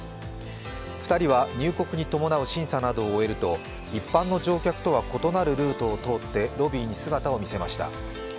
２人は入国に伴う審査などを終えると一般の乗客とは異なるルートを通ってロビーに姿を見せました。